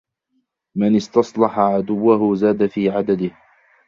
مَنْ اسْتَصْلَحَ عَدُوَّهُ زَادَ فِي عَدَدِهِ